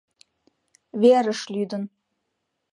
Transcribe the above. - Верыш лӱдын...